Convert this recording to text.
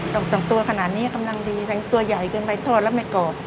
สองตัวขนาดนี้กำลังดีทั้งตัวใหญ่เกินไปทอดแล้วไม่กรอบ